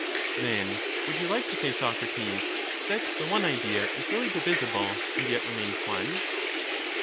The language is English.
p^^ki. Then would you like to say, Socrates, that the one idea is really divisible and yet remains one